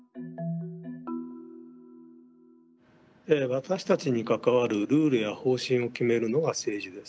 私たちに関わるルールや方針を決めるのが政治です。